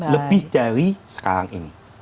lebih dari sekarang ini